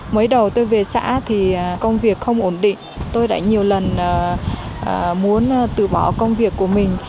mới đầu tôi về xã thì công việc không ổn định tôi đã nhiều lần muốn từ bỏ công việc của mình